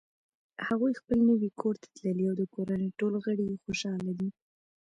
هغوی خپل نوی کور ته تللي او د کورنۍ ټول غړ یی خوشحاله دي